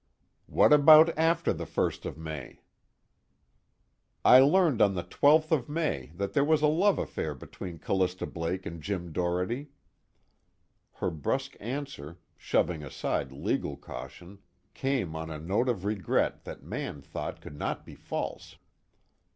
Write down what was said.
"What about after the first of May?" "I learned on the 12th of May that there was a love affair between Callista Blake and Jim Doherty." Her brusque answer, shoving aside legal caution, came on a note of regret that Mann thought could not be false.